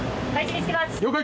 了解！